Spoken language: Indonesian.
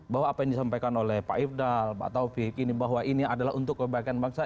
bahwa apa yang disampaikan oleh pak ifdal pak taufik ini bahwa ini adalah untuk kebaikan bangsa